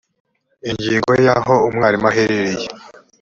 ingingo ya aho umwarimu aherereye